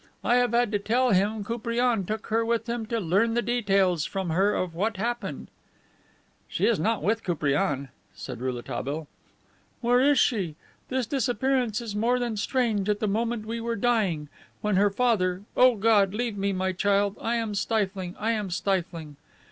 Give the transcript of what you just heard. I have had to tell him Koupriane took her with him to learn the details from her of what happened." "She is not with Koupriane," said Rouletabille. "Where is she? This disappearance is more than strange at the moment we were dying, when her father O God! Leave me, my child; I am stifling; I am stifling."